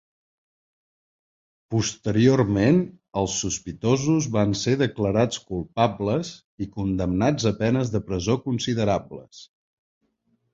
Posteriorment, els sospitosos van ser declarats culpables i condemnats a penes de presó considerables.